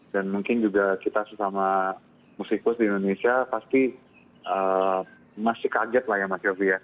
dan mungkin juga kita sesama musikus di indonesia pasti masih kaget lah ya mas syafi ya